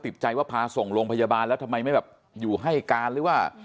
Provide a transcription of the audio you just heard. ติดใจว่าพาส่งโรงพยาบาลแล้วทำไมไม่แบบอยู่ให้การหรือว่า